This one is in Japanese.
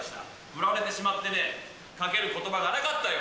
振られてしまってね、かけることばがなかったよ。